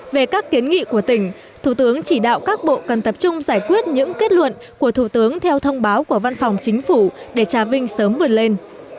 về các kiến nghị của tỉnh thủ tướng chỉ đạo các bộ cần tập trung giải quyết những kết luận của thủ tướng theo thông báo của văn phòng chính phủ để trà vinh sớm vươn lên